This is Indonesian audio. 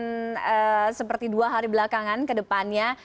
dan seperti dua hari belakangan ke depannya